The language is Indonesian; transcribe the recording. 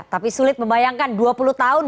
tapi sulit membayangkan dua puluh tahun